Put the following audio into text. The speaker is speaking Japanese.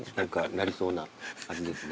なりそうな味ですね。